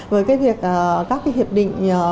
với việc các hiệp định